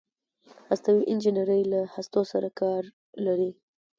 هستوي انجنیری له هستو سره کار لري.